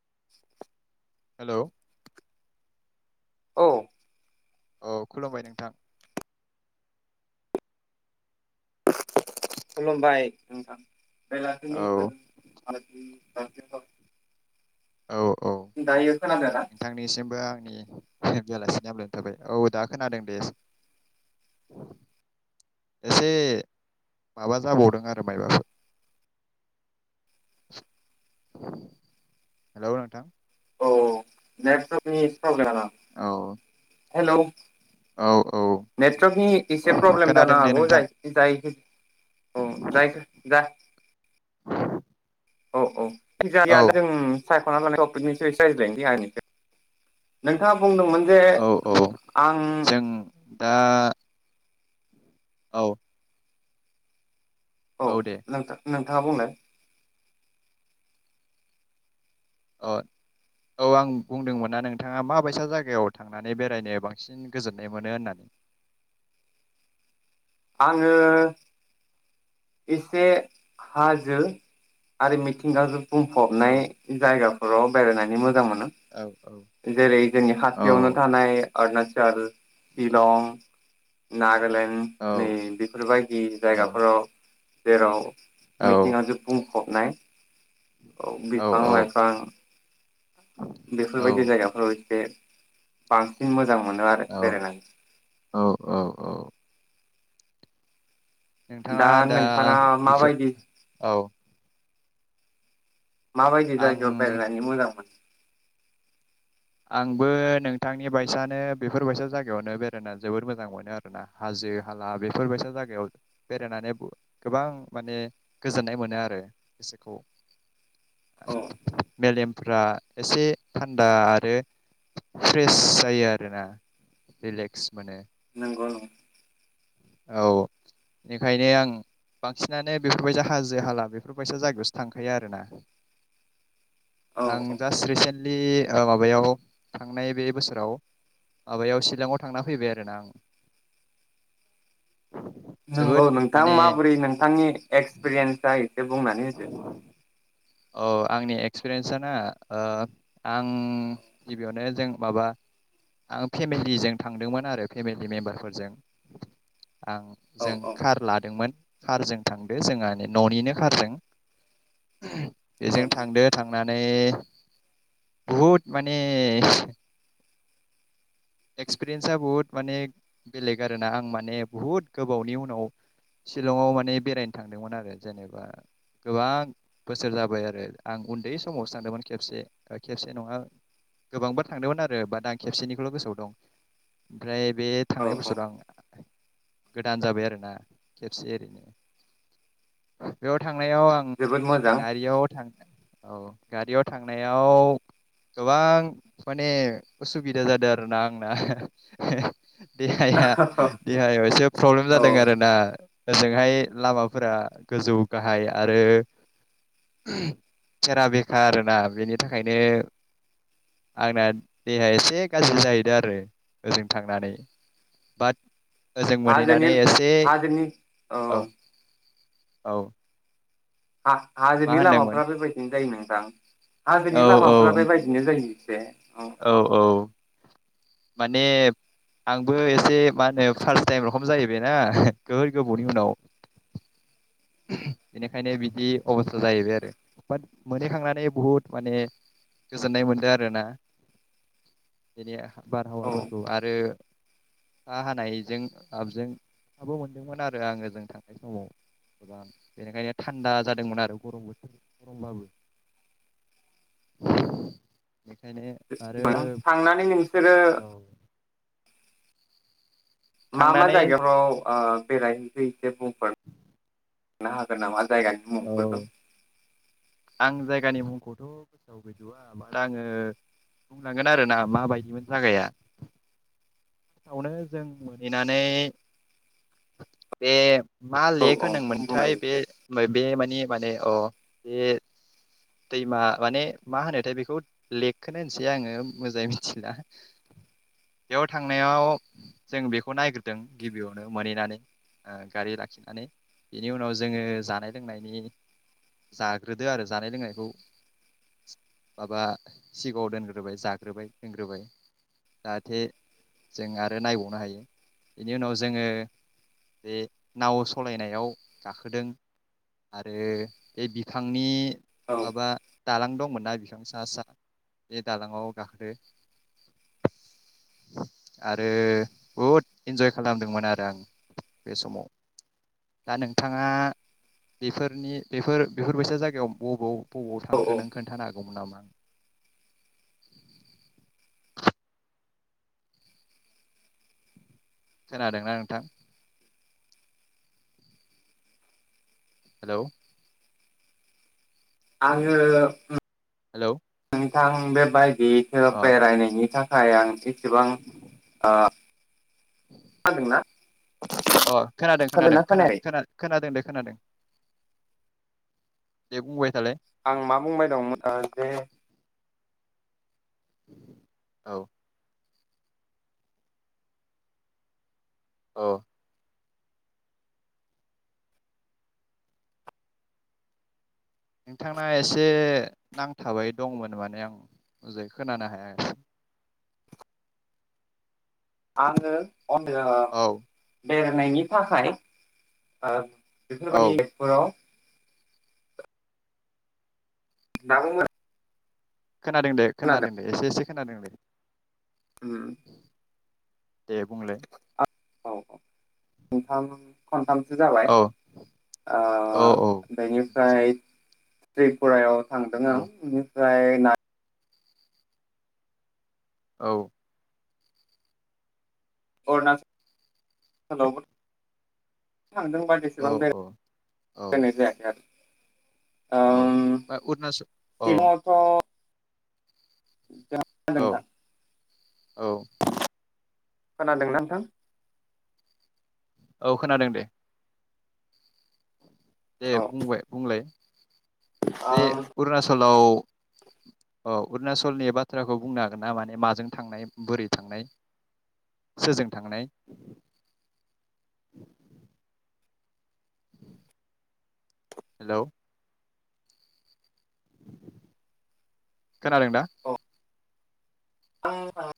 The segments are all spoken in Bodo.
[unintelligible] हेलौ औ औ खुलुमबाय नोंथां। खुलुमबाय नोंथां। बेलासिनि औ गोजोन‌ साम [unintelligible] औ औ। नोंथांनिसिमबो आंनि बेलासिनि हामलायनाय थाबाय औ दा खोनादों दे एसे माबा जाबावदों आरो माइबाफोर हेलौ नोंथां। औ औ औ [unintelligible] औ [unintelligible] हेलौ औ औ नेटवर्कनि एसे प्रब्लेम खोनादों जानो दे हागौ नोंथां जाय जायो। औ जायखौ ज औ औ [unintelligible] औ सायख'ना ल कनि रायज्लायनोस आंनि नोंथाङा। बुंदोंमोन जे औ औ आं जों दा औ औ दे नोंथाङा बुंनो ओ औ आं बुंदोंमोन ना नोंथाङा माबायसा जायगायाव थांनानै बेरायनो बांसिन गोजोननाय मोनो होननानै। आङो एसे हाजो आरो मिथिंगाजोब औ बुंफबनाय जायगा। र' बायना नानि मोजां मोन। औ औ ओ जेरै जोंनि औ खाथियावनो थानाय अरुणाचल, शिलं, औ नागालेण्ड नै बेफोरबायदि जायगाफोराव देराव। औ मिथिंगाजो बुं फबनाय। औ औ बिफां-लाइफां औ बेफोरबायदि जायगाफोराव एसे बांसिन मो जां मोनो आरो औ बेरायनानै। औ औ औ नोंथाङा दा नोंथाङा बेफोर माबायदि औ। माबायदि आं जायगायाव बेायरायनानै मोजां मोन आंबो नोंथांनि बायसानो बेफोरबायसा जायगायावनो बेरायना जोबोद मोजां मोनो आरोना हाजो-हाला बेफोरबायसा जायगायाव बेरायनानै गोबां माने गोजोननाय मोनो आरो गोसोखौ। औ। मेलेमफ्रा एसे थान्दा आ आरो फ्रेस जायो आरोना रिलेक्स मोनो। गं नों औ बेनिखायनो आं बांसिनानो बेफोरबायजा हाजो-हाला बेफोरबायसा जायगायावसो थांखायो आरोना। औ आं औ दास रिसेन लि ओ माबायाव थांनाय बे बोसोराव माबायाव शिलंआव थांना फैबाय आरोना आं जोबोद नोंगौ नोंथां माने माबोरै नोंथांनि एक्सपिरियेन्स जायो। से बुंनानै होदो। औ आंनि एक्सपिरियेन्सआ ना ओ आं गिबियावनो जों माबा आं फेमिलिजों थांदोंमोन आरो फेमिलि मेम्बारफोरजों। आं औ जों औ कार लादोंमोन। कारजों थांदो जोंहानि न'निनो कारजों। [unintelligible] औ बेजों थांदो नोंथां थांनानै बहुत माने एक्सपिरियेन्सआ बुहुद माने बेलेग आरोना आं माने बुहुद गोबावनि उनाव शिलंआव माने बेरायनो थांदोंमोन आरो जेनेबा गोबां बोसोर जाबाय आरो आं उन्दै समावसो सानदोंमोन खेबसे ओ खेबसे नङा गोबांबा थांदोंमोन आरो बाट आं खेबसेनिखौल' गोसोआव औ ओमफ्राय बे औ थांनाय औ बोसोराव आं गोदान जाबाय आरोना खेबसे ओरैनो बेयाव थां थांनायाव आं जोबोद मोजां गारियाव थाङो औ गारियाव थांनायाव गोबां माने उसुबिदा जादों आरो ना आंना देहाया देहायाव एसे प्रब्लेम औ जादों आरोना ओजोंहाय लामाफोरा गोजौ गाहाय आरो खेरा बेखा आरोना बेनि थाखायनो आंना देहा एसे गाज्रि जाहैदो आरो ओजों थांनानै बट ओजों हाजोनि मोनहैनानै एसे औ औ मा हाजोनि होनदोंमोन लामाफ्रा बिदिनो जायो नोंथां थां औ हाजोनि औ लामाफोरा बेबायदिनो जायो एसे औ माने आंबो एसे मा होनो फार्स्ट टाइम रखम जाहैबायनाा गोहोर गोबावनि उनाव बेनिखाय बिदि अबस जाहैबाय आरो बाट मोनोहैखांनानै बुहुद माने गोजोननाय मोनदों आरोना बेनि औ बारहावाफोरखौ आरो हा हानायजों जाबजों हाबो मोनदोंमोन आरो आङो ओजों थांनाय समाव गोबां बेनिखायनो थान्दा जादोंमोन आरो गरमबो गरमबाबो बेखायनो आरो बां थांनानै नोंसोरो मा मा थांनानै जायगाफ्राव बेरायहैसै एसे बुंफोर थनो हागोन नामा जायगानि औ मुफोर आं जायगानि मुंखौथ' गोसोआव गैजो बा आङो बुंलांगोन आरोना माबायदिमोन जायागाया फआवनो जों मोनहैनानै बे मा औ लेक औ बुंलाय होनोमोनथाय बे एसे - बे माने माने अ बे दैमा माने मा होनोथाय बेखौ लेकखोनो होनसै आङो मोजाङै मिथिला बेयाव थांनायाव जों बेखौ नायग्रोदों गिबियावनो मोनहैनानै गारि लाखिनानै बेनि उनाव जोङो जानाय लोंनायनि जा होग्रोदो आरो जानाय लोंनायखौ माबा सिगाङाव दोनग्रोबाय जाग्रोबाय लोंग्रोबाय जाहाथे जों आरो नायबावनो हायो बेनि उनाव जोङो बे नाव सलायनायाव गाखोदों आरो बे बि थांनि औ माबा दालां दंमोन। ना बिफां सा - सा बे दालाङाव गाखो आरो बहुद इन्जय खालामदोंमोन आरो आं बे समाव दा नोंथाङा बेफोरनि बेफोर बेफोरबायसा जायगायाव बबाव? बबाव औ थांखो औ नों खोन्थानो आ मोनामा। खोनादोंना नोंथां? हेलौ आङो हेलौ ओम थां बे बाइक बेफोराव अ बेरायनायनि थाखो आया आंसै। सेबां ओ। हादोंना? अ खोनादों - खोनादों - खोनादों दे खोनादों। दे बुंबाय थालाय आं मा बुंबाय दंमोन ओ बेे औ। औ। नोंथांना एसे नांथाबाय दंमोन माने आंजाय खोनानो हायाखिसै। आङो। अनदो औ बेरायनायनि थाखाय ओ औ बेफोरबायदि फोराव नोंथांमोन खोनादों दे खोनादों दे एसे एसे। खोनादों दे। ओ दे बुंलाय। औ ओंखाम खनथामसो जाबाय औ ओ औ औ बेनिफ्राय त्रिपुरायाव थांदों औ आं नि जाय ना औ। [unintelligible] थांदोंबा बेसेबां औ औ बेरायनाय जायाखै आरो। औ ओम अरुणाचल औ सिगांआवथ' औ [unintelligible] औ। खोनादोंना नोंथां? औ खोनादों दे। औ दे बुंबाय बुंलाय। बे अरुनाचल लाव औ अरुणचलनि बाथ्राखौ बुंनो हागोन ना माने माजों थांनाय बोरै थांनाय सोरजों थांनाय? हेलौ खोनादोंना? आं [unintelligible]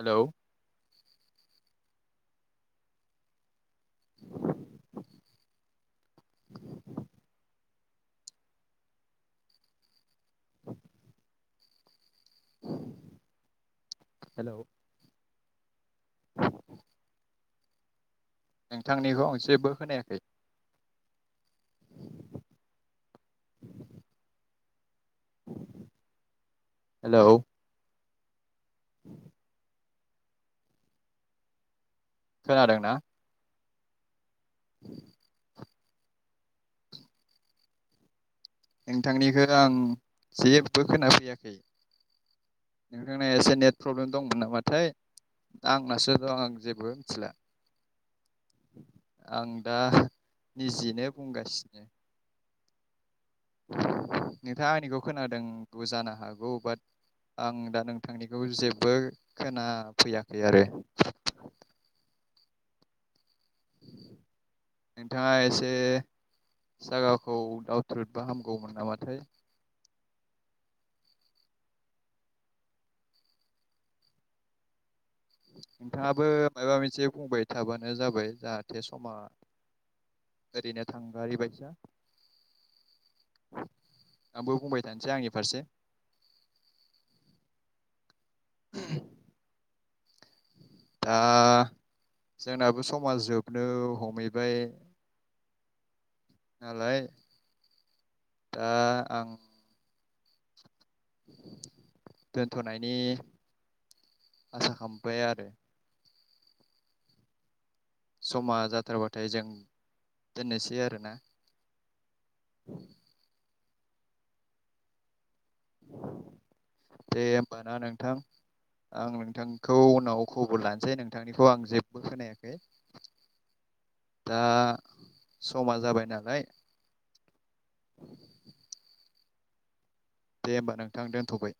हेलौ [inaudible] [inaudible] हेलौ नोंथांनिखौ मोनसेबो खोनायाखै। हेलौ [inaudible] खोनादोंना? नोंथांनिखौ आं जेबो खोना फैयाखै नोंथांनिया एसे नेट प्रब्लेम दंमोन नामाथाय आंनासो दं आं जेबो मिथिला। आं दा निजिनो बुंगासिनो। नोंथाङा आंनिखौ खोनादोंबो जानो हागौ बाट आं दा नोंथांनिखौ जेबो खोनाफैयाखै आरो। नोंथाङा एसे जागाखौ दावथ्रोदबा हामगौमोन नामाथाय। नोंथाङाबो माबा मोनसे बुंबाय थाबानो जाबाय जाहाथे समा ओरैनो थांगारि बायदिया आंबो बुंबाय थानोसै आंनि फारसे। दा जोंनाबो समा जोबनो हमहैबाय नालाय दा आं दोनथ'नायनि आसा खालामबाय आरो। समा जाथारबाथाय जों दोननोसै आरोना। [inaudible] दे होमबाना नोंथां आं नोंथांखौ उनाव खबर लानोसै नोंथांनिखौ आं जेबो खोनायाखै दा समा जाबाय नालाय। दे होमबा नोंथां दोनथ'बाय।